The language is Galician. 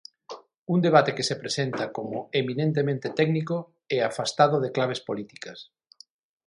Un debate que se presenta como eminentemente técnico e afastado de claves políticas.